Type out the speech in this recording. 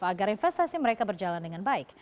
agar investasi mereka berjalan dengan baik